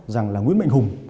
rằng là nguyễn mạnh hùng